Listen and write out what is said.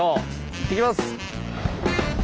いってきます。